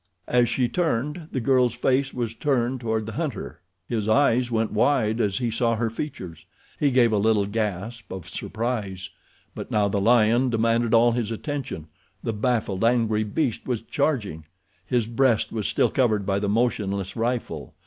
As she turned the girl's face was turned toward the hunter. His eyes went wide as he saw her features. He gave a little gasp of surprise; but now the lion demanded all his attention—the baffled, angry beast was charging. His breast was still covered by the motionless rifle.